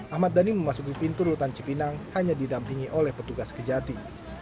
ahmad dhani memasuki pintu rutan cipinang hanya didampingi oleh petugas kejati